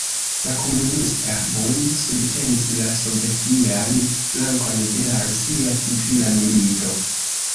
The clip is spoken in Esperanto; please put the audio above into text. La Komunista Bund subtenis la sovetian flankon de la Rusia Civila Milito.